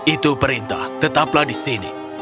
itu perintah tetaplah di sini